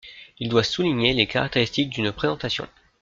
Il doit souligner les caractéristiques d’une présentation.